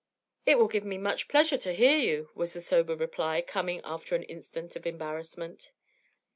'It will give me much pleasure to hear you,' was the sober reply, coming after an instant of embarrassment.